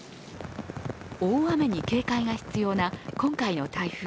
大雨に警戒が必要な今回の台風。